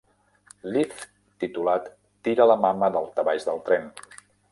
Lift titulat "Tira la mama daltabaix del tren".